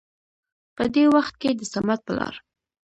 په دې وخت کې د صمد پلار